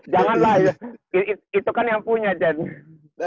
jangan lah itu kan yang punya cen